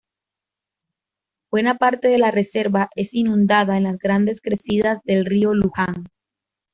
Buena parte de la reserva es inundada en las grandes crecidas del río Luján.